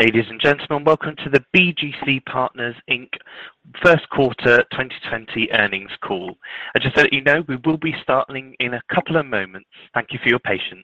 Ladies and gentlemen, welcome to the BGC Partners Inc first quarter 2020 earnings call. Just to let you know, we will be starting in a couple of moments. Thank you for your patience.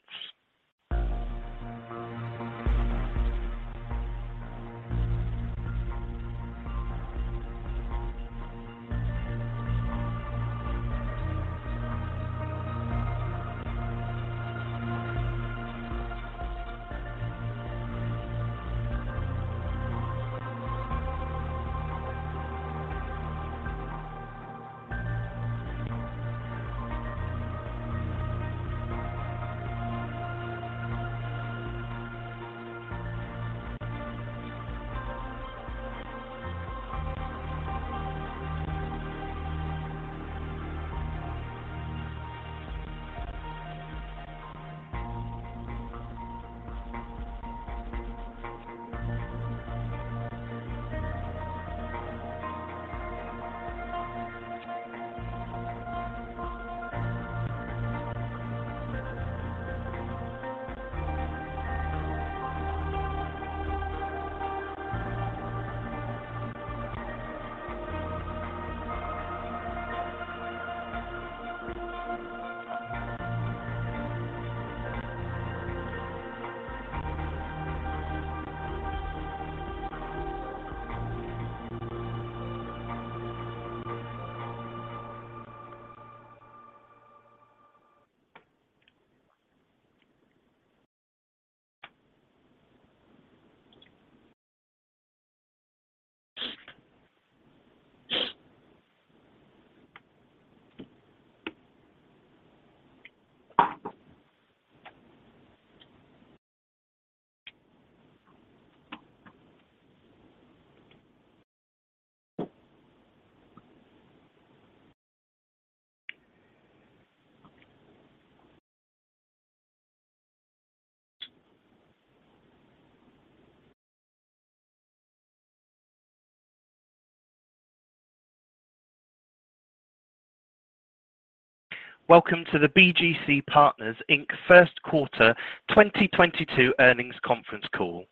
Welcome to the BGC Partners Inc first quarter 2022 earnings conference call.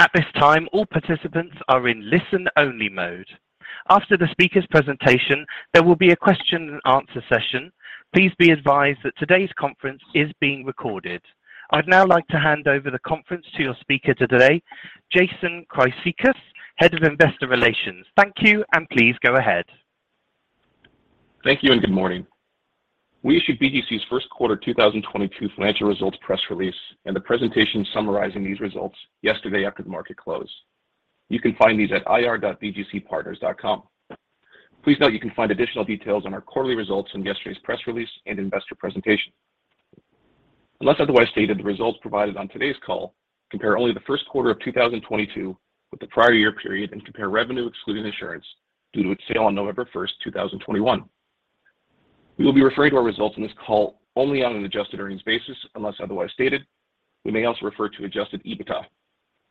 At this time, all participants are in listen-only mode. After the speaker's presentation, there will be a question and answer session. Please be advised that today's conference is being recorded. I'd now like to hand over the conference to your speaker today, Jason Chryssicas, Head of Investor Relations. Thank you, and please go ahead. Thank you and good morning. We issued BGC's first quarter 2022 financial results press release and the presentation summarizing these results yesterday after the market closed. You can find these at ir.bgcpartners.com. Please note you can find additional details on our quarterly results in yesterday's press release and investor presentation. Unless otherwise stated, the results provided on today's call compare only the first quarter of 2022 with the prior year period and compare revenue excluding insurance due to its sale on November 1st, 2021. We will be referring to our results in this call only on an adjusted earnings basis, unless otherwise stated. We may also refer to adjusted EBITDA.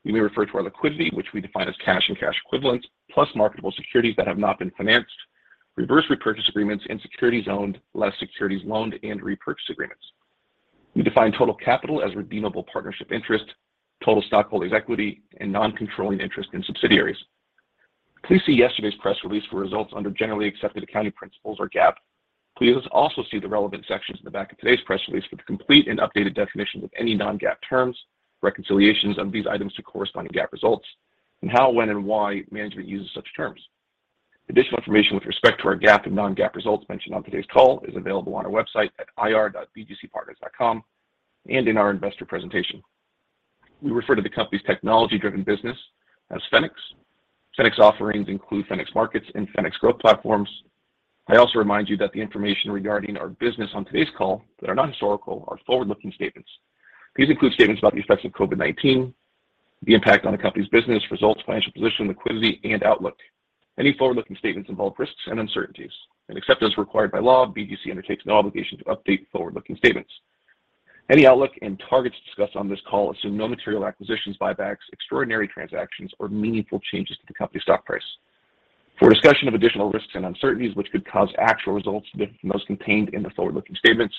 We may refer to our liquidity, which we define as cash and cash equivalents, plus marketable securities that have not been financed, reverse repurchase agreements and securities owned less securities loaned and repurchase agreements. We define total capital as redeemable partnership interest, total stockholders' equity, and non-controlling interest in subsidiaries. Please see yesterday's press release for results under generally accepted accounting principles or GAAP. Please also see the relevant sections in the back of today's press release for the complete and updated definition of any non-GAAP terms, reconciliations of these items to corresponding GAAP results, and how, when, and why management uses such terms. Additional information with respect to our GAAP and non-GAAP results mentioned on today's call is available on our website at ir.bgcpartners.com and in our investor presentation. We refer to the company's technology-driven business as Fenics. Fenics offerings include Fenics Markets and Fenics Growth Platforms. I also remind you that the information regarding our business on today's call that are not historical are forward-looking statements. These include statements about the effects of COVID-19, the impact on the company's business, results, financial position, liquidity, and outlook. Any forward-looking statements involve risks and uncertainties, and except as required by law, BGC undertakes no obligation to update forward-looking statements. Any outlook and targets discussed on this call assume no material acquisitions, buybacks, extraordinary transactions, or meaningful changes to the company's stock price. For a discussion of additional risks and uncertainties which could cause actual results to differ from those contained in the forward-looking statements,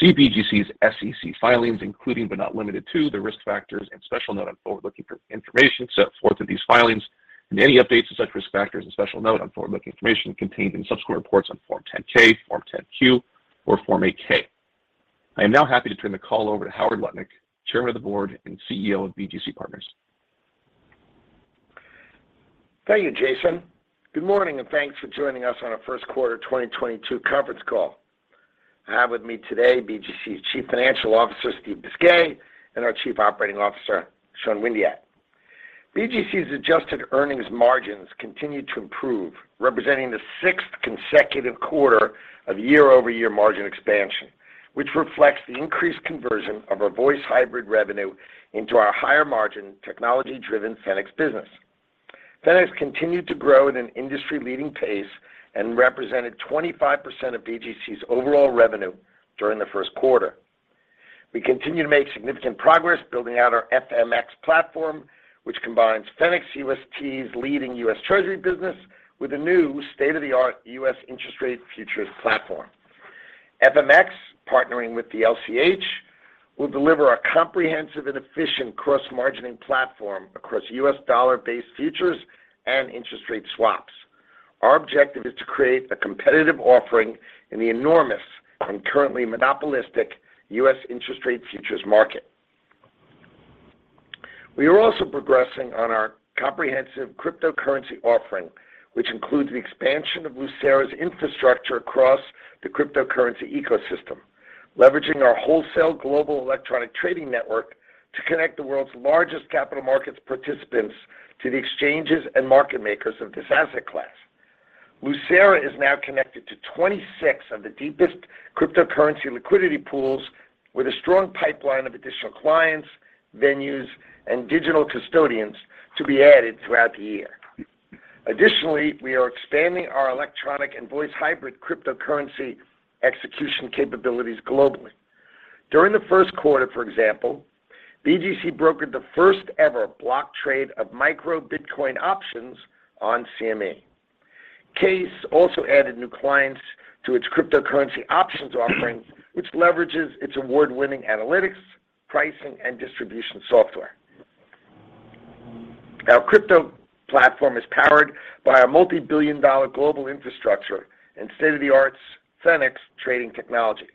see BGC's SEC filings including but not limited to the Risk Factors and Special Note on Forward-Looking Information set forth in these filings and any updates to such Risk Factors and Special Note on Forward-Looking Information contained in subsequent reports on Form 10-K, Form 10-Q, or Form 8-K. I am now happy to turn the call over to Howard Lutnick, Chairman of the Board and CEO of BGC Partners. Thank you, Jason. Good morning, and thanks for joining us on our first quarter 2022 conference call. I have with me today BGC's Chief Financial Officer, Steven Bisgay, and our Chief Operating Officer, Sean Windeatt. BGC's adjusted earnings margins continued to improve, representing the sixth consecutive quarter of year-over-year margin expansion, which reflects the increased conversion of our voice hybrid revenue into our higher margin technology-driven Fenics business. Fenics continued to grow at an industry-leading pace and represented 25% of BGC's overall revenue during the first quarter. We continue to make significant progress building out our FMX platform, which combines Fenics UST's leading U.S. Treasury business with a new state-of-the-art U.S. interest rate futures platform. FMX, partnering with the LCH, will deliver a comprehensive and efficient cross-margining platform across U.S. dollar-based futures and interest rate swaps. Our objective is to create a competitive offering in the enormous and currently monopolistic U.S. interest rate futures market. We are also progressing on our comprehensive cryptocurrency offering, which includes the expansion of Lucera's infrastructure across the cryptocurrency ecosystem, leveraging our wholesale global electronic trading network to connect the world's largest capital markets participants to the exchanges and market makers of this asset class. Lucera is now connected to 26 of the deepest cryptocurrency liquidity pools with a strong pipeline of additional clients, venues, and digital custodians to be added throughout the year. Additionally, we are expanding our electronic and voice hybrid cryptocurrency execution capabilities globally. During the first quarter, for example, BGC brokered the first-ever block trade of micro bitcoin options on CME. ECS also added new clients to its cryptocurrency options offering, which leverages its award-winning analytics, pricing, and distribution software. Our crypto platform is powered by our multi-billion-dollar global infrastructure and state-of-the-art Fenics trading technology.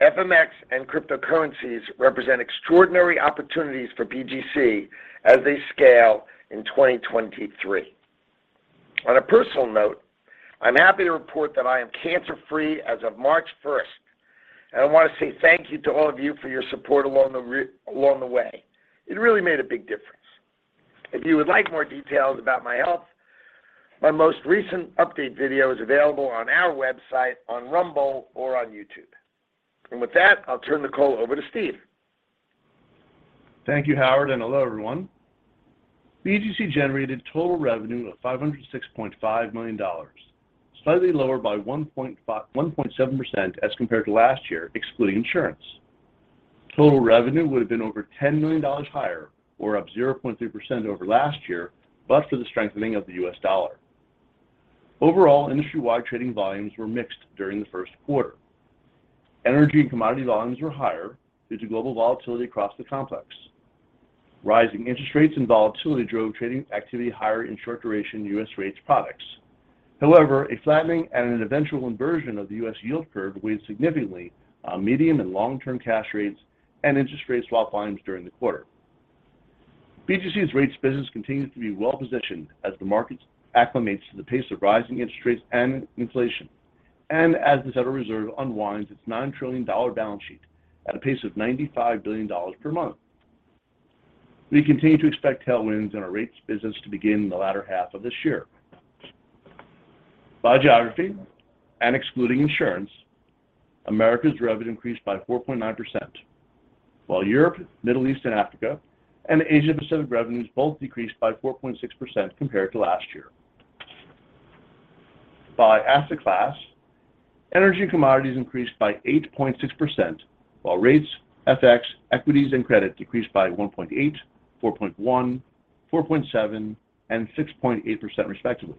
FMX and cryptocurrencies represent extraordinary opportunities for BGC as they scale in 2023. On a personal note, I'm happy to report that I am cancer-free as of March first, and I want to say thank you to all of you for your support along the way. It really made a big difference. If you would like more details about my health, my most recent update video is available on our website, on Rumble, or on YouTube. With that, I'll turn the call over to Steven Bisgay. Thank you, Howard, and hello, everyone. BGC generated total revenue of $506.5 million, slightly lower by 1.7% as compared to last year, excluding insurance. Total revenue would have been over $10 million higher, or up 0.3% over last year, but for the strengthening of the U.S. dollar. Overall, industry-wide trading volumes were mixed during the first quarter. Energy and commodity volumes were higher due to global volatility across the complex. Rising interest rates and volatility drove trading activity higher in short-duration U.S. rates products. However, a flattening and an eventual inversion of the U.S. yield curve weighed significantly on medium- and long-term cash rates and interest rate swap volumes during the quarter. BGC's rates business continues to be well-positioned as the market acclimates to the pace of rising interest rates and inflation, and as the Federal Reserve unwinds its $9 trillion balance sheet at a pace of $95 billion per month. We continue to expect tailwinds in our rates business to begin in the latter half of this year. By geography and excluding insurance, Americas revenue increased by 4.9%, while Europe, Middle East and Africa, and Asia Pacific revenues both decreased by 4.6% compared to last year. By asset class, energy and commodities increased by 8.6%, while rates, FX, equities, and credit decreased by 1.8%, 4.1%, 4.7%, and 6.8% respectively.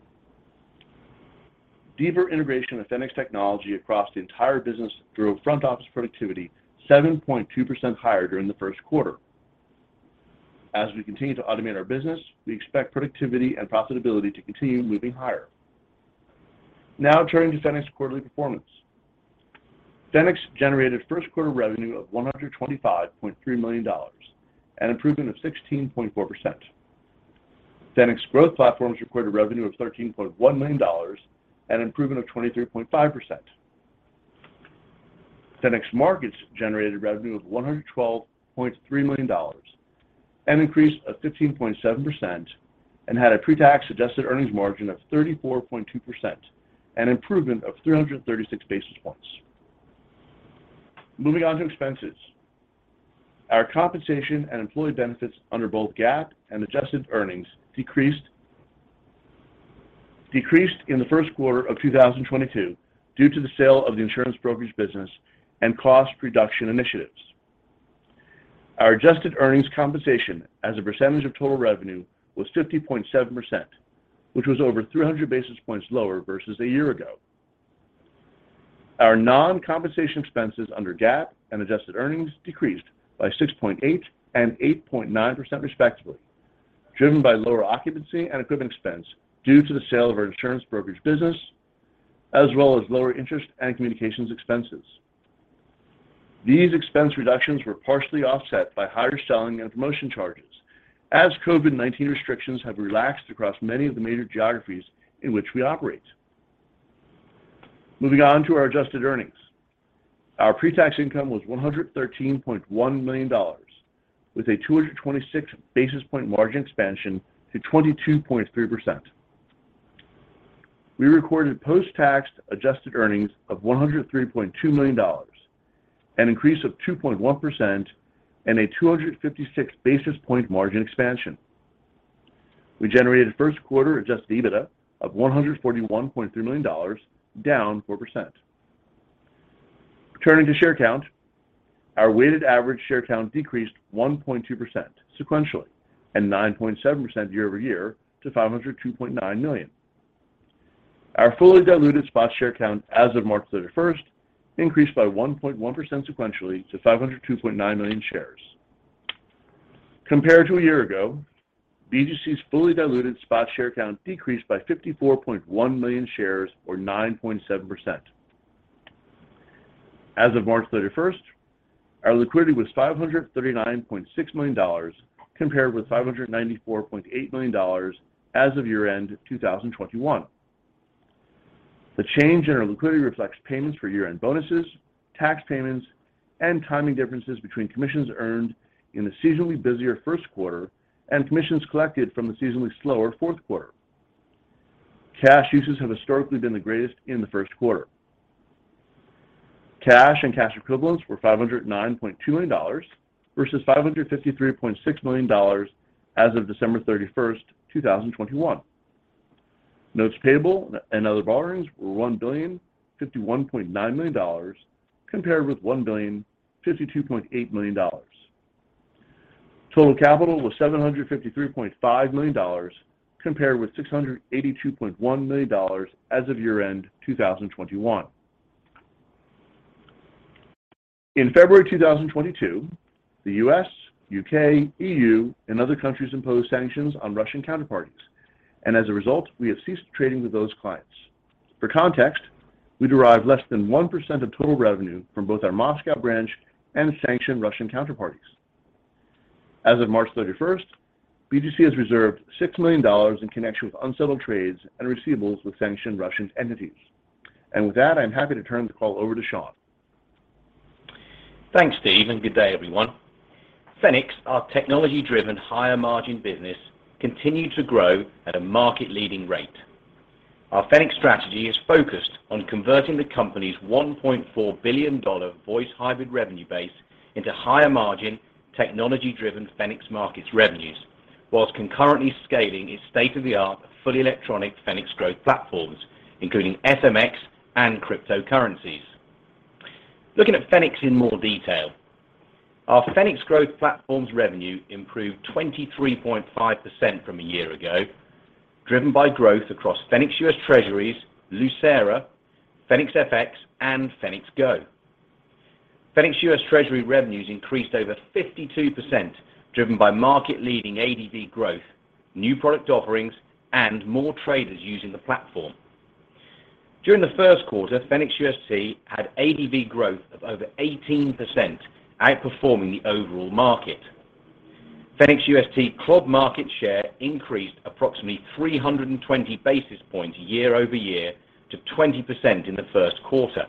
Deeper integration of Fenics technology across the entire business drove front office productivity 7.2% higher during the first quarter. As we continue to automate our business, we expect productivity and profitability to continue moving higher. Now turning to Fenics quarterly performance. Fenics generated first quarter revenue of $125.3 million, an improvement of 16.4%. Fenics Growth Platforms recorded revenue of $13.1 million, an improvement of 23.5%. Fenics Markets generated revenue of $112.3 million, an increase of 15.7%, and had a pre-tax adjusted earnings margin of 34.2%, an improvement of 336 basis points. Moving on to expenses. Our compensation and employee benefits under both GAAP and adjusted earnings decreased in the first quarter of 2022 due to the sale of the insurance brokerage business and cost reduction initiatives. Our adjusted earnings compensation as a percentage of total revenue was 50.7%, which was over 300 basis points lower versus a year ago. Our non-compensation expenses under GAAP and adjusted earnings decreased by 6.8% and 8.9% respectively, driven by lower occupancy and equipment expense due to the sale of our insurance brokerage business, as well as lower interest and communications expenses. These expense reductions were partially offset by higher selling and promotion charges as COVID-19 restrictions have relaxed across many of the major geographies in which we operate. Moving on to our adjusted earnings. Our pre-tax income was $113.1 million with a 226 basis point margin expansion to 22.3%. We recorded post-tax adjusted earnings of $103.2 million, an increase of 2.1% and a 256 basis point margin expansion. We generated first quarter adjusted EBITDA of $141.3 million, down 4%. Turning to share count. Our weighted average share count decreased 1.2% sequentially, and 9.7% year-over-year to 502.9 million. Our fully diluted spot share count as of March 31st, increased by 1.1% sequentially to 502.9 million shares. Compared to a year ago, BGC's fully diluted spot share count decreased by 54.1 million shares or 9.7%. As of March 31st, our liquidity was $539.6 million compared with $594.8 million as of year-end 2021. The change in our liquidity reflects payments for year-end bonuses, tax payments, and timing differences between commissions earned in the seasonally busier first quarter and commissions collected from the seasonally slower fourth quarter. Cash uses have historically been the greatest in the first quarter. Cash and cash equivalents were $509.2 million versus $553.6 million as of December 31st, 2021. Notes payable and other borrowings were $1,051.9 million compared with $1,052.8 million. Total capital was $753.5 million compared with $682.1 million as of year-end 2021. In February 2022, the U.S., U.K., E.U., and other countries imposed sanctions on Russian counterparties, and as a result, we have ceased trading with those clients. For context, we derive less than 1% of total revenue from both our Moscow branch and sanctioned Russian counterparties. As of March 31st, BGC has reserved $6 million in connection with unsettled trades and receivables with sanctioned Russian entities. With that, I'm happy to turn the call over to Sean. Thanks, Steve, and good day everyone. Fenics, our technology-driven higher margin business, continued to grow at a market-leading rate. Our Fenics strategy is focused on converting the company's $1.4 billion voice hybrid revenue base into higher margin technology-driven Fenics Markets revenues, while concurrently scaling its state-of-the-art fully electronic Fenics Growth Platforms, including FMX and cryptocurrencies. Looking at Fenics in more detail. Our Fenics Growth Platforms revenue improved 23.5% from a year ago, driven by growth across Fenics U.S. Treasuries, Lucera, Fenics FX, and Fenics GO. Fenics U.S. Treasury revenues increased over 52%, driven by market-leading ADV growth, new product offerings, and more traders using the platform. During the first quarter, Fenics UST had ADV growth of over 18%, outperforming the overall market. Fenics UST global market share increased approximately 320 basis points year-over-year to 20% in the first quarter.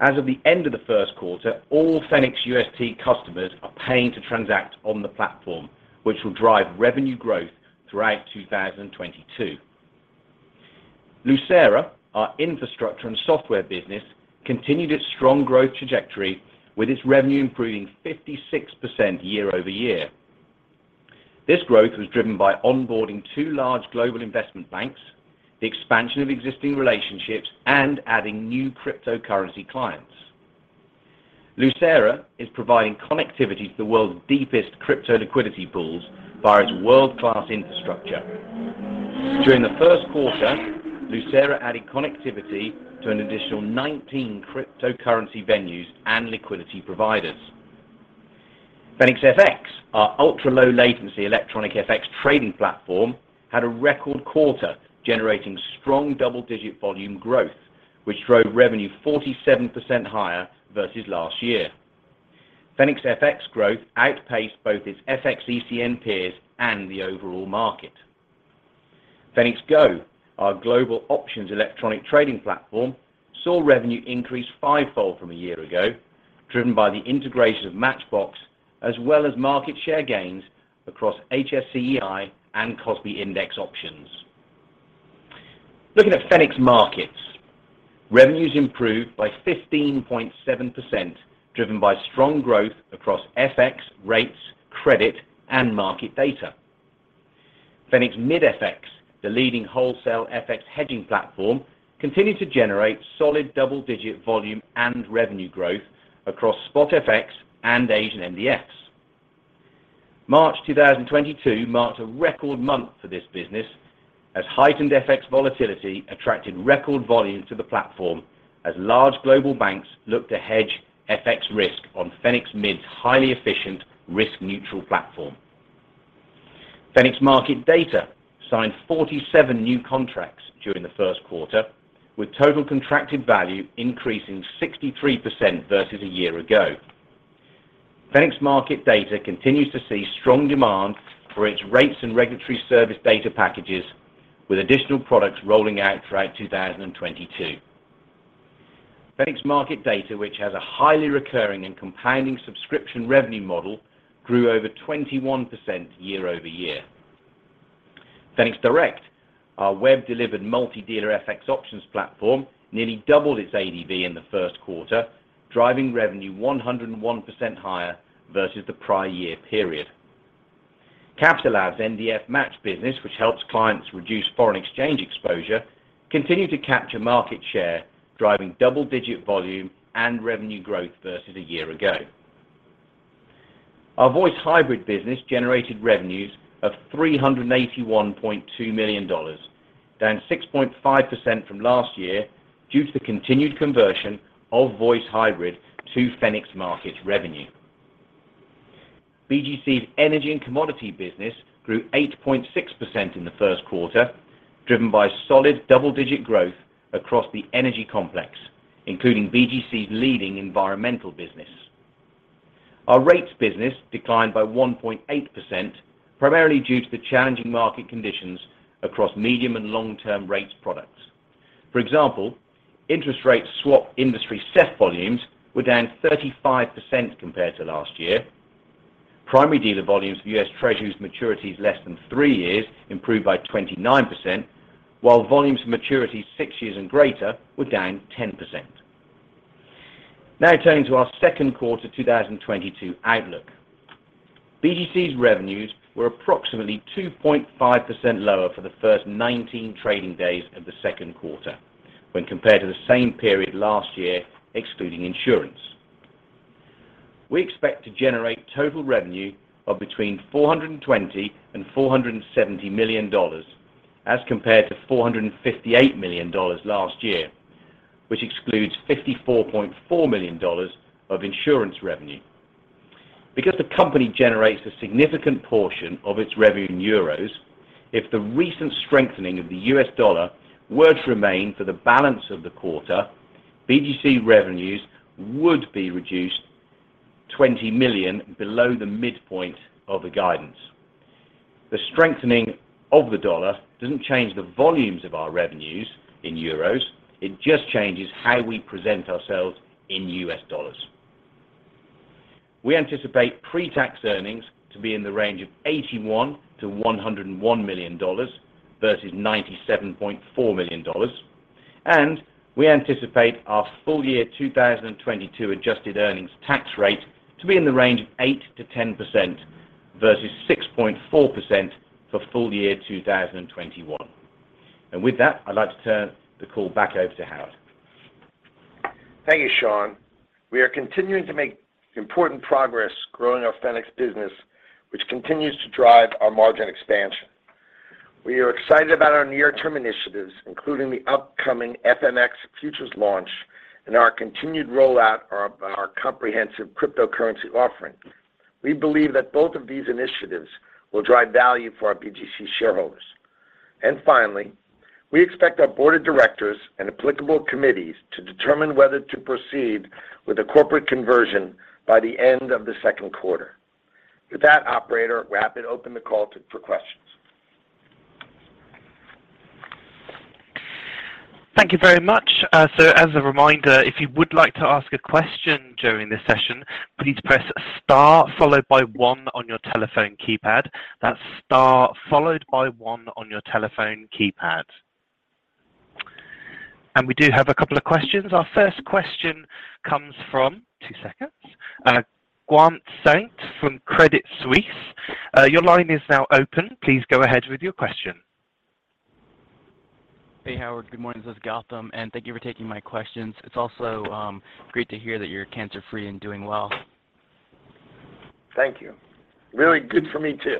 As of the end of the first quarter, all Fenics UST customers are paying to transact on the platform, which will drive revenue growth throughout 2022. Lucera, our infrastructure and software business, continued its strong growth trajectory with its revenue improving 56% year-over-year. This growth was driven by onboarding two large global investment banks, the expansion of existing relationships, and adding new cryptocurrency clients. Lucera is providing connectivity to the world's deepest crypto liquidity pools via its world-class infrastructure. During the first quarter, Lucera added connectivity to an additional 19 cryptocurrency venues and liquidity providers. Fenics FX, our ultra-low latency electronic FX trading platform, had a record quarter generating strong double-digit volume growth, which drove revenue 47% higher versus last year. Fenics FX growth outpaced both its FX ECN peers and the overall market. Fenics GO, our global options electronic trading platform, saw revenue increase five-fold from a year ago, driven by the integration of MatchBox, as well as market share gains across HSI and KOSPI index options. Looking at Fenics Markets. Revenues improved by 15.7%, driven by strong growth across FX, rates, credit, and market data. Fenics MIDFX, the leading wholesale FX hedging platform, continued to generate solid double-digit volume and revenue growth across Spot FX and Asian NDFs. March 2022 marked a record month for this business as heightened FX volatility attracted record volume to the platform as large global banks looked to hedge FX risk on Fenics MIDFX's highly efficient risk-neutral platform. Fenics Market Data signed 47 new contracts during the first quarter, with total contracted value increasing 63% versus a year ago. Fenics Market Data continues to see strong demand for its rates and regulatory service data packages with additional products rolling out throughout 2022. Fenics Market Data, which has a highly recurring and compounding subscription revenue model, grew over 21% year-over-year. Fenics Direct, our web-delivered multi-dealer FX options platform, nearly doubled its ADV in the first quarter, driving revenue 101% higher versus the prior year period. Fenics NDF Match business, which helps clients reduce foreign exchange exposure continue to capture market share, driving double-digit volume and revenue growth versus a year ago. Our Voice Hybrid business generated revenues of $381.2 million, down 6.5% from last year due to the continued conversion of Voice Hybrid to Fenics Markets revenue. BGC's energy and commodity business grew 8.6% in the first quarter, driven by solid double-digit growth across the energy complex, including BGC's leading environmental business. Our rates business declined by 1.8%, primarily due to the challenging market conditions across medium and long-term rates products. For example, interest rate swap industry net volumes were down 35% compared to last year. Primary dealer volumes for U.S. Treasuries maturities less than 3 years improved by 29%, while volumes for maturities 6 years and greater were down 10%. Now turning to our second quarter 2022 outlook. BGC's revenues were approximately 2.5% lower for the first 19 trading days of the second quarter when compared to the same period last year, excluding insurance. We expect to generate total revenue of between $420 million and $470 million as compared to $458 million last year, which excludes $54.4 million of insurance revenue. Because the company generates a significant portion of its revenue in euros, if the recent strengthening of the U.S. dollar were to remain for the balance of the quarter, BGC revenues would be reduced $20 million below the midpoint of the guidance. The strengthening of the dollar doesn't change the volumes of our revenues in euros, it just changes how we present ourselves in U.S. dollars. We anticipate pre-tax earnings to be in the range of $81 million-$101 million versus $97.4 million, and we anticipate our full year 2022 adjusted earnings tax rate to be in the range of 8%-10% versus 6.4% for full year 2021. With that, I'd like to turn the call back over to Howard. Thank you, Sean. We are continuing to make important progress growing our Fenics business, which continues to drive our margin expansion. We are excited about our near-term initiatives, including the upcoming FMX futures launch and our continued rollout of our comprehensive cryptocurrency offering. We believe that both of these initiatives will drive value for our BGC shareholders. Finally, we expect our board of directors and applicable committees to determine whether to proceed with a corporate conversion by the end of the second quarter. With that, operator, we're happy to open the call for questions. Thank you very much. So as a reminder, if you would like to ask a question during this session, please press star followed by one on your telephone keypad. That's star followed by one on your telephone keypad. We do have a couple of questions. Our first question comes from Gautam Sawant from Credit Suisse. Your line is now open. Please go ahead with your question. Hey, Howard. Good morning. This is Gautam, and thank you for taking my questions. It's also great to hear that you're cancer-free and doing well. Thank you. Very good for me too.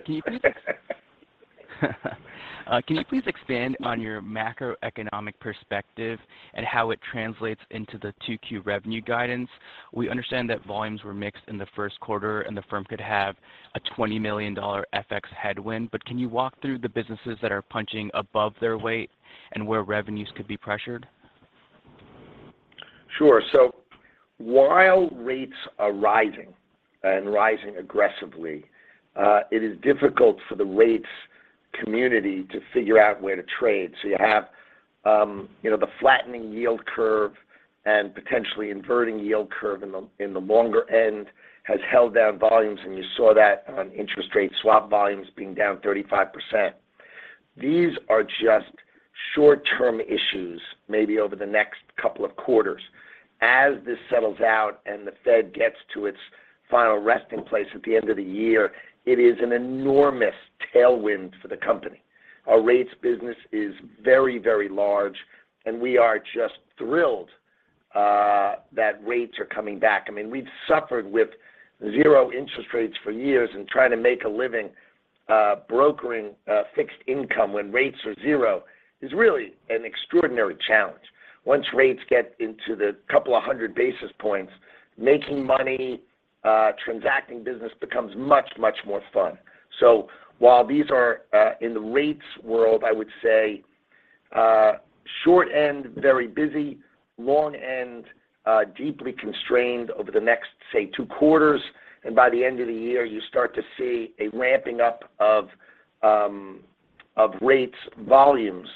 Can you please expand on your macroeconomic perspective and how it translates into the 2Q revenue guidance? We understand that volumes were mixed in the first quarter, and the firm could have a $20 million FX headwind, but can you walk through the businesses that are punching above their weight and where revenues could be pressured? Sure. While rates are rising and rising aggressively, it is difficult for the rates community to figure out where to trade. You have, you know, the flattening yield curve and potentially inverting yield curve in the longer end has held down volumes, and you saw that on interest rate swap volumes being down 35%. These are just short-term issues, maybe over the next couple of quarters. As this settles out and the Fed gets to its final resting place at the end of the year, it is an enormous tailwind for the company. Our rates business is very, very large, and we are just thrilled that rates are coming back. I mean, we've suffered with zero interest rates for years and trying to make a living brokering fixed income when rates are zero is really an extraordinary challenge. Once rates get into the couple of hundred basis points, making money transacting business becomes much, much more fun. While these are in the rates world, I would say short end very busy, long end deeply constrained over the next, say, two quarters, and by the end of the year, you start to see a ramping up of rates volumes,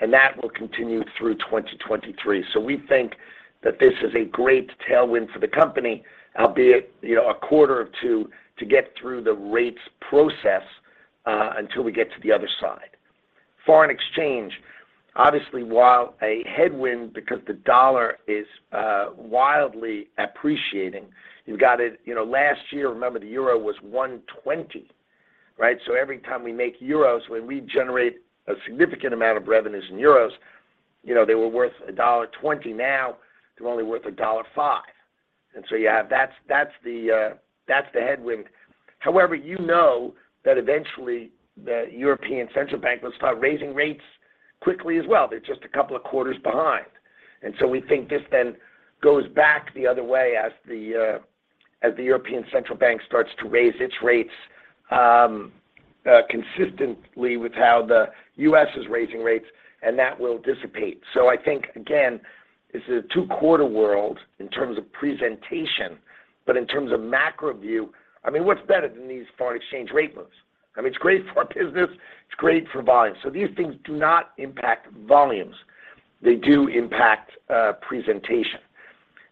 and that will continue through 2023. We think that this is a great tailwind for the company, albeit you know a quarter or two to get through the rates process until we get to the other side. Foreign exchange, obviously, while a headwind because the dollar is wildly appreciating. You know, last year, remember the euro was 1.20, right? Every time we make euros, when we generate a significant amount of revenues in euros, you know, they were worth $1.20, now they're only worth $1.05. That's the headwind. However, you know that eventually the European Central Bank will start raising rates quickly as well. They're just a couple of quarters behind. We think this then goes back the other way as the European Central Bank starts to raise its rates, consistently with how the U.S. is raising rates, and that will dissipate. I think again, this is a two-quarter world in terms of presentation, but in terms of macro view, I mean, what's better than these foreign exchange rate moves? I mean, it's great for our business, it's great for volume. These things do not impact volumes. They do impact presentation.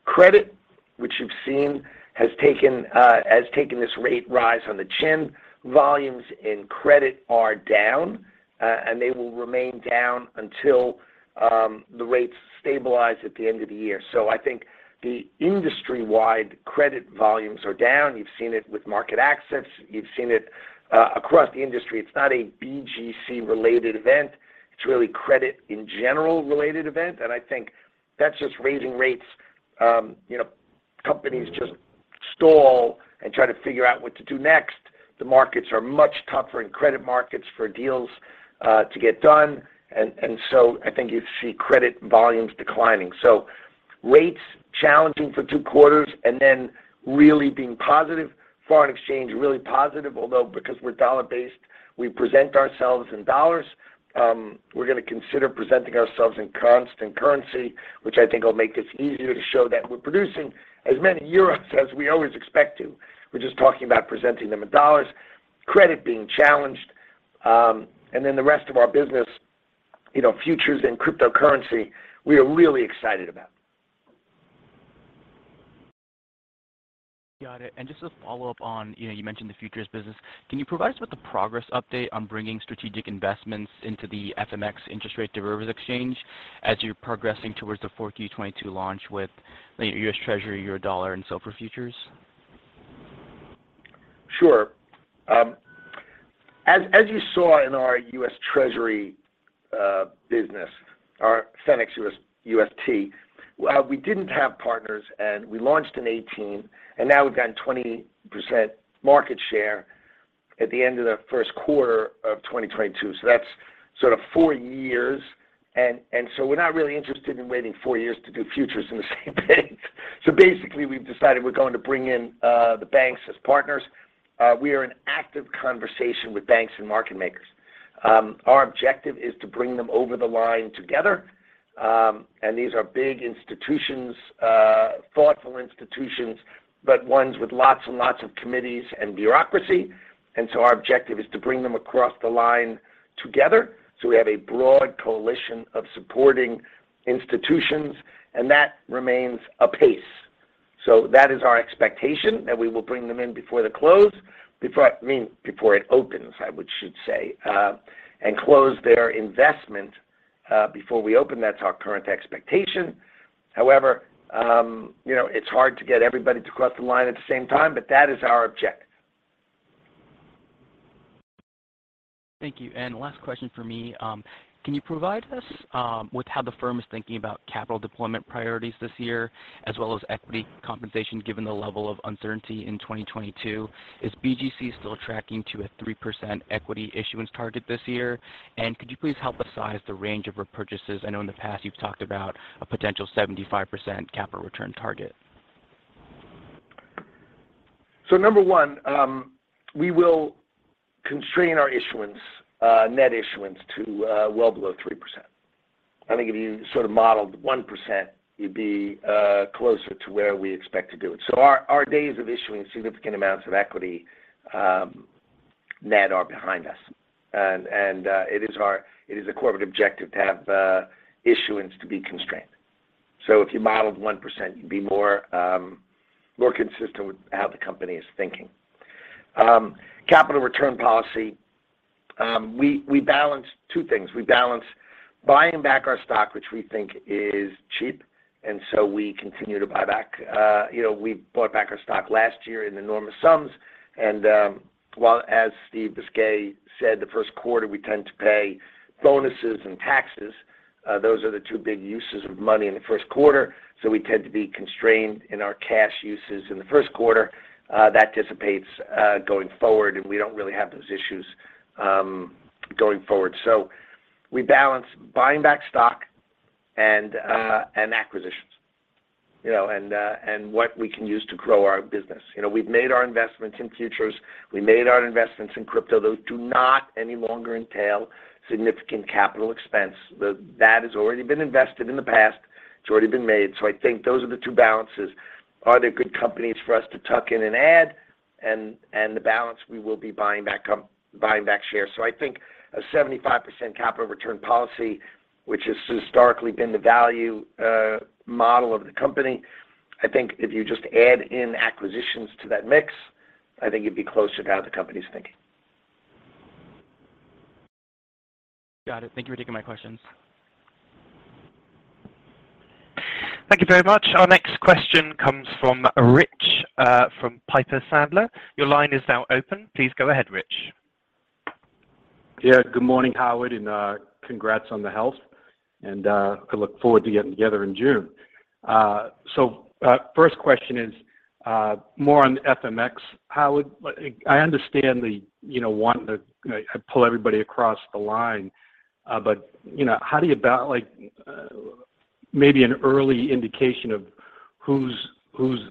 Credit, which you've seen, has taken this rate rise on the chin. Volumes in credit are down, and they will remain down until the rates stabilize at the end of the year. I think the industry-wide credit volumes are down. You've seen it with MarketAxess. You've seen it across the industry. It's not a BGC related event. It's really credit in general related event, and I think that's just raising rates. You know, companies just stall and try to figure out what to do next. The markets are much tougher in credit markets for deals to get done. And so I think you see credit volumes declining. Rates challenging for two quarters and then really being positive. Foreign exchange, really positive, although because we're dollar-based, we present ourselves in dollars, we're gonna consider presenting ourselves in constant currency, which I think will make this easier to show that we're producing as many euros as we always expect to. We're just talking about presenting them in dollars, credit being challenged. The rest of our business, you know, futures and cryptocurrency, we are really excited about. Got it. Just to follow up on, you know, you mentioned the futures business. Can you provide us with the progress update on bringing strategic investments into the FMX interest rate derivatives exchange as you're progressing towards the 4Q 2022 launch with the U.S. Treasury, Eurodollar, and SOFR futures? Sure. As you saw in our U.S. Treasury business, our Fenics UST, we didn't have partners and we launched in 2018, and now we've gotten 20% market share at the end of the first quarter of 2022. That's sort of 4 years and so we're not really interested in waiting 4 years to do futures in the same thing. Basically, we've decided we're going to bring in the banks as partners. We are in active conversation with banks and market makers. Our objective is to bring them over the line together. These are big institutions, thoughtful institutions, but ones with lots and lots of committees and bureaucracy. Our objective is to bring them across the line together, so we have a broad coalition of supporting institutions, and that remains apace. That is our expectation that we will bring them in before the close. Before, I mean, before it opens, I should say, and close their investment, before we open. That's our current expectation. However, you know, it's hard to get everybody to cross the line at the same time, but that is our objective. Thank you. Last question for me. Can you provide us with how the firm is thinking about capital deployment priorities this year as well as equity compensation given the level of uncertainty in 2022? Is BGC still tracking to a 3% equity issuance target this year? Could you please help us size the range of repurchases? I know in the past you've talked about a potential 75% capital return target. Number one, we will constrain our issuance, net issuance to well below 3%. I think if you sort of modeled 1%, you'd be closer to where we expect to do it. Our days of issuing significant amounts of equity, net are behind us. It is a corporate objective to have issuance to be constrained. If you modeled 1%, you'd be more consistent with how the company is thinking. Capital return policy. We balance two things. We balance buying back our stock, which we think is cheap, and so we continue to buy back. You know, we bought back our stock last year in enormous sums, and while as Steve Bisgay said, the first quarter we tend to pay bonuses and taxes, those are the two big uses of money in the first quarter, so we tend to be constrained in our cash uses in the first quarter, that dissipates going forward, and we don't really have those issues going forward. We balance buying back stock and acquisitions, you know, and what we can use to grow our business. You know, we've made our investments in futures. We made our investments in crypto. Those do not any longer entail significant capital expense. That has already been invested in the past. It's already been made. I think those are the two balances. Are there good companies for us to tuck in and add? The balance we will be buying back shares. I think a 75% capital return policy, which has historically been the value model of the company. I think if you just add in acquisitions to that mix, I think you'd be closer to how the company's thinking. Got it. Thank you for taking my questions. Thank you very much. Our next question comes from Rich from Piper Sandler. Your line is now open. Please go ahead, Rich. Yeah. Good morning, Howard, and congrats on the health and I look forward to getting together in June. First question is more on the FMX. Howard, like, I understand the you know wanting to pull everybody across the line, but you know how do you balance like maybe an early indication of who's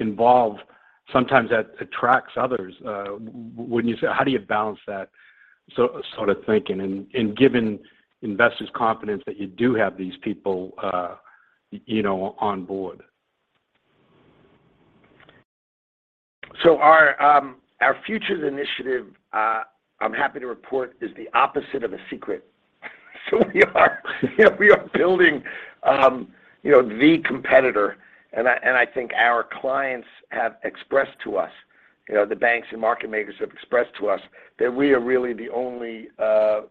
involved sometimes that attracts others. When you say how do you balance that sort of thinking and giving investors confidence that you do have these people you know on board? Our futures initiative, I'm happy to report, is the opposite of a secret. We are, you know, building, you know, the competitor, and I think our clients have expressed to us, you know, the banks and market makers have expressed to us that we are really the only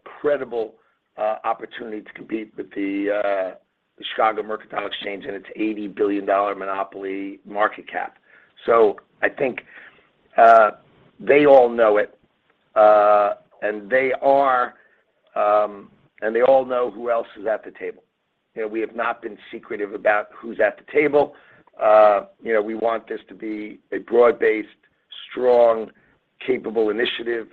credible opportunity to compete with the Chicago Mercantile Exchange and its $80 billion monopoly market cap. I think they all know it, and they all know who else is at the table. You know, we have not been secretive about who's at the table. You know, we want this to be a broad-based, strong, capable initiative.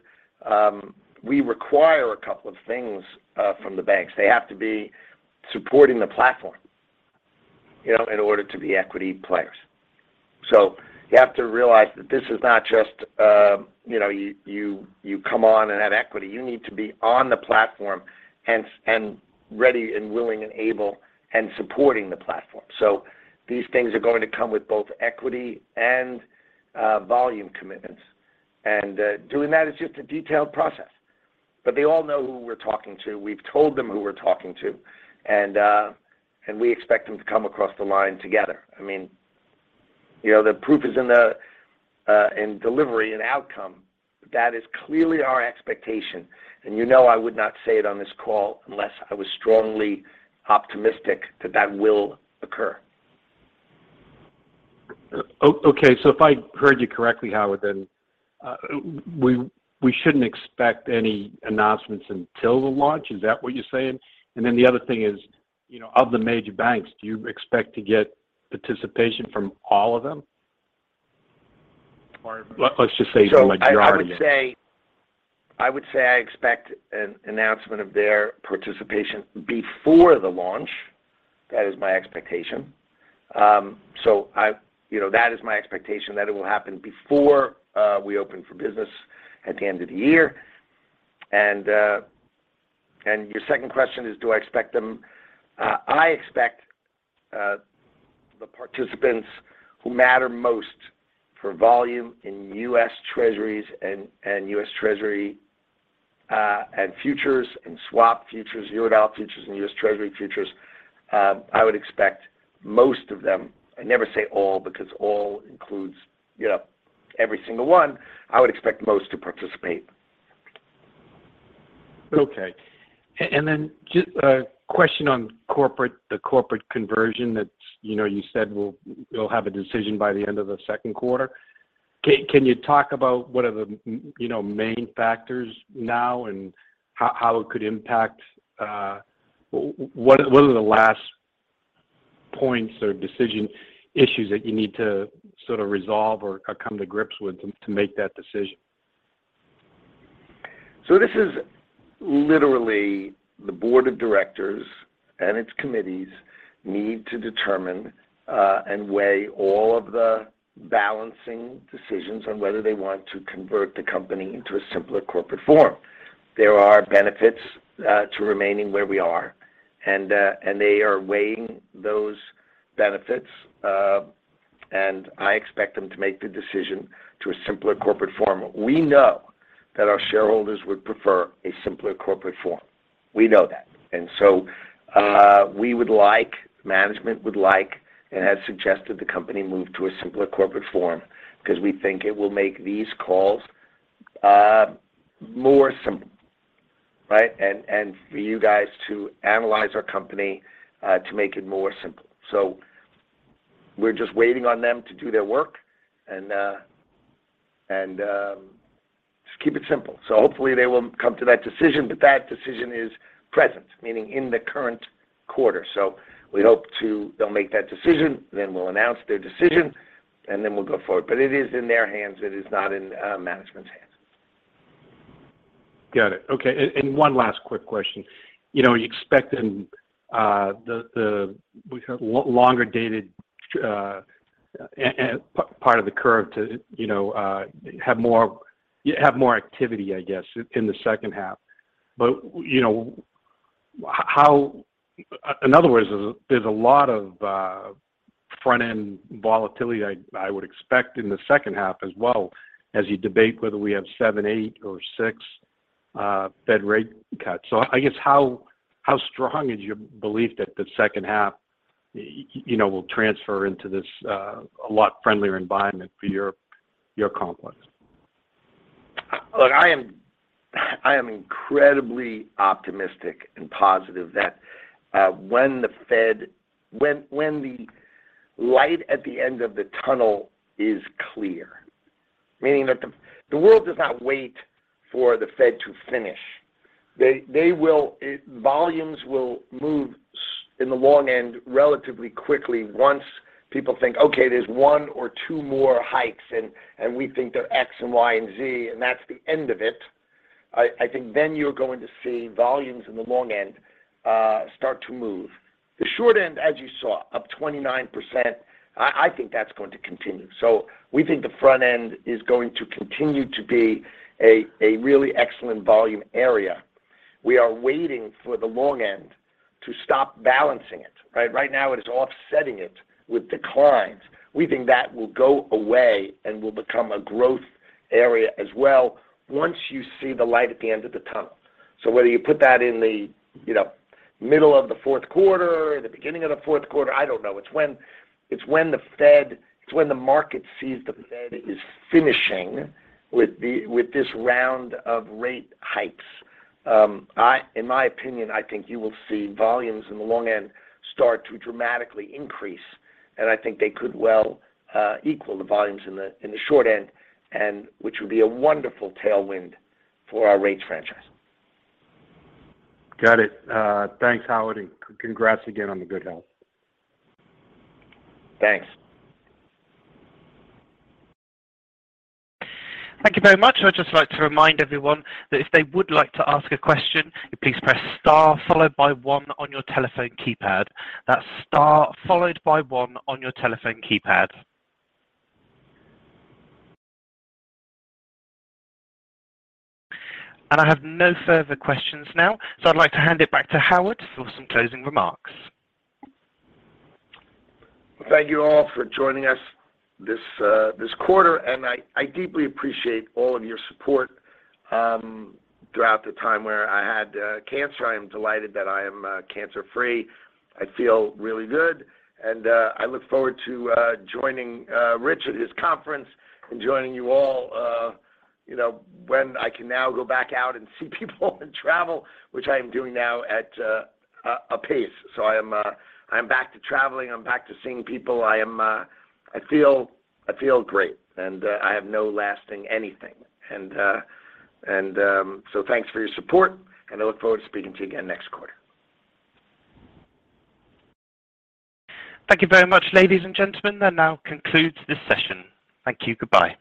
We require a couple of things from the banks. They have to be supporting the platform, you know, in order to be equity players. You have to realize that this is not just, you know, you come on and have equity. You need to be on the platform and ready and willing and able and supporting the platform. These things are going to come with both equity and volume commitments. Doing that is just a detailed process. They all know who we're talking to. We've told them who we're talking to, and we expect them to come across the line together. I mean, you know, the proof is in the delivery and outcome. That is clearly our expectation. You know I would not say it on this call unless I was strongly optimistic that that will occur. Okay. If I heard you correctly, Howard, then we shouldn't expect any announcements until the launch. Is that what you're saying? The other thing is, you know, of the major banks, do you expect to get participation from all of them? Or let's just say the majority. I would say I expect an announcement of their participation before the launch. That is my expectation. You know, that is my expectation, that it will happen before we open for business at the end of the year. Your second question is, do I expect them. I expect the participants who matter most for volume in U.S. Treasuries and U.S. Treasury and futures and swap futures, Eurodollar futures and U.S. Treasury futures. I would expect most of them. I never say all, because all includes, you know, every single one. I would expect most to participate. Okay. Then just a question on corporate, the corporate conversion that, you know, you said will have a decision by the end of the second quarter. Can you talk about what are the main factors now and how it could impact. What are the last points or decision issues that you need to sort of resolve or come to grips with to make that decision? This is literally the board of directors and its committees need to determine and weigh all of the balancing decisions on whether they want to convert the company into a simpler corporate form. There are benefits to remaining where we are, and they are weighing those benefits, and I expect them to make the decision to a simpler corporate form. We know that our shareholders would prefer a simpler corporate form. We know that. Management would like and has suggested the company move to a simpler corporate form because we think it will make these calls more simple, right? For you guys to analyze our company to make it more simple. We're just waiting on them to do their work and just keep it simple. Hopefully they will come to that decision, but that decision is present, meaning in the current quarter. They'll make that decision, then we'll announce their decision, and then we'll go forward. It is in their hands. It is not in management's hands. Got it. Okay. One last quick question. You know, you expect in the what you call longer dated part of the curve to you know have more activity I guess in the second half. You know, how, in other words, there's a lot of front-end volatility I would expect in the second half as well as you debate whether we have 7, 8 or 6 Fed rate cuts. I guess how strong is your belief that the second half you know will transfer into this a lot friendlier environment for your complex? Look, I am incredibly optimistic and positive that when the light at the end of the tunnel is clear, meaning that the world does not wait for the Fed to finish. Volumes will move in the long end relatively quickly once people think, okay, there's one or two more hikes and we think they're X and Y and Z, and that's the end of it. I think then you're going to see volumes in the long end start to move. The short end, as you saw, up 29%, I think that's going to continue. We think the front end is going to continue to be a really excellent volume area. We are waiting for the long end to stop balancing it, right? Right now, it is offsetting it with declines. We think that will go away and will become a growth area as well once you see the light at the end of the tunnel. Whether you put that in the, you know, middle of the fourth quarter or the beginning of the fourth quarter, I don't know. It's when the market sees the Fed is finishing with this round of rate hikes, in my opinion, I think you will see volumes in the long end start to dramatically increase, and I think they could well equal the volumes in the short end and which would be a wonderful tailwind for our rates franchise. Got it. Thanks, Howard, and congrats again on the good health. Thanks. Thank you very much. I'd just like to remind everyone that if they would like to ask a question, please press star followed by one on your telephone keypad. That's star followed by one on your telephone keypad. I have no further questions now, so I'd like to hand it back to Howard for some closing remarks. Thank you all for joining us this quarter, and I deeply appreciate all of your support throughout the time where I had cancer. I am delighted that I am cancer-free. I feel really good, and I look forward to joining Rich at his conference and joining you all, you know, when I can now go back out and see people and travel, which I am doing now at a pace. I'm back to traveling. I'm back to seeing people. I feel great, and I have no lasting anything. Thanks for your support, and I look forward to speaking to you again next quarter. Thank you very much, ladies and gentlemen. That now concludes this session. Thank you. Goodbye.